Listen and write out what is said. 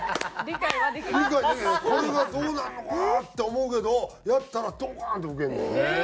これがどうなるのかなって思うけどやったらドカーンってウケんねん。